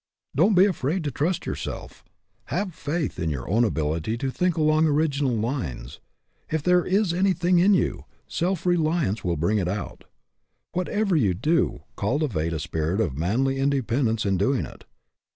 Don't be afraid to trust yourself. Have faith in your own ability to think along original lines. If there is anything in you, self reliance will bring it out. Whatever you do, cultivate a spirit of manly independence in doing it.